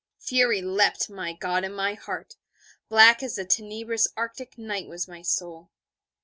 Fury leapt, my God, in my heart. Black as the tenebrous Arctic night was my soul.